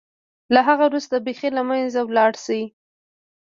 له هغه وروسته بېخي له منځه ولاړه شي.